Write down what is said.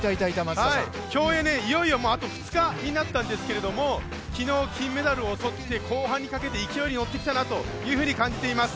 競泳、いよいよあと２日になったんですけども昨日、金メダルをとって後半にかけて勢いがあるなと思います。